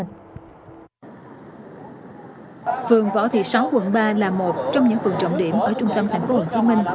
phường võ thị sáu quận ba là một trong những phường trọng điểm ở trung tâm tp hcm